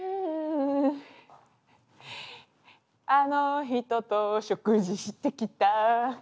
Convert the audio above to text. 「あの人と食事してきた」